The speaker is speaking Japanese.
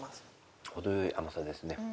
程よい甘さですね。